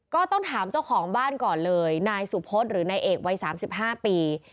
ก็ต้องถามเจ้าของบ้านก่อนเลยนายสุพศหรือนายเอกวัย๓๕ปี